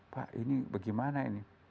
pak ini bagaimana ini